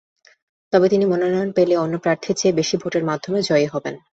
তবে তিনি মনোনয়ন পেলে অন্য প্রার্থীর চেয়ে বেশি ভোটের ব্যবধানে জয়ী হবেন।